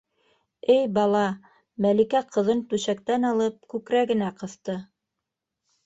Эй бала, - Мәликә ҡыҙын түшәктән алып күкрәгенә ҡыҫты.